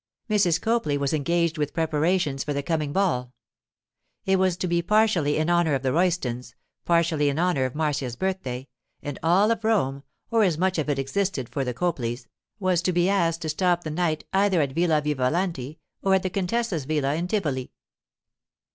Mrs. Copley was engaged with preparations for the coming ball. It was to be partially in honour of the Roystons, partially in honour of Marcia's birthday, and all of Rome—or as much of it as existed for the Copleys—was to be asked to stop the night either at Villa Vivalanti or at the contessa's villa in Tivoli.